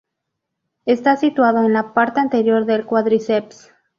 Está situado en la parte anterior del cuádriceps.